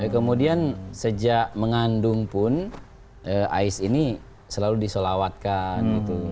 kemudian sejak mengandung pun ais ini selalu disalawatkan